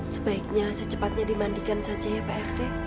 sebaiknya secepatnya dimandikan saja ya pak rt